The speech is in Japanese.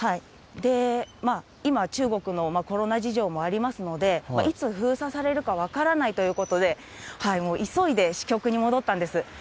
今、中国のコロナ事情もありますので、いつ封鎖されるか分からないということで、急いで支局に戻ったんです。